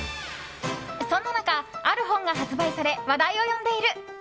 そんな中、ある本が発売され話題を呼んでいる。